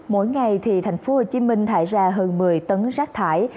mỗi ngày thành phố hồ chí minh thải ra hơn một mươi tấn rác thải